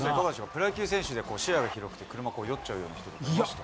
プロ野球選手で、視野が広くて、車酔っちゃうような人とかいました？